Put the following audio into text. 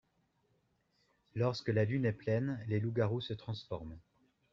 Lorsque la lune est pleine, les loups garous se transforment.